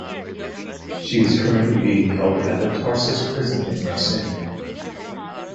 She is currently being held at the Tarsus prison in Mersin.